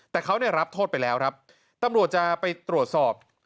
แต่เขาเนี่ยรับโทษไปแล้วครับตำรวจจะไปตรวจสอบ